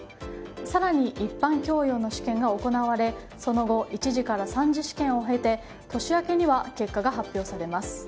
更に一般教養の試験が行われその後１次から３次試験を経て年明けには結果が発表されます。